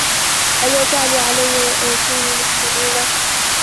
أَلّا تَعلوا عَلَيَّ وَأتوني مُسلِمينَ